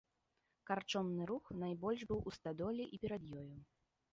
Карчомны рух найбольш быў у стадоле і перад ёю.